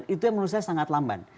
itu yang menurut saya sangat lamban